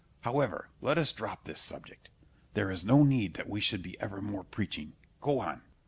However, let us drop this subject: there is no need that we should be evermore preaching. Go on.